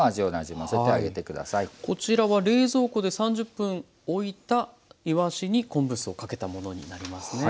こちらは冷蔵庫で３０分おいたいわしに昆布酢をかけたものになりますね。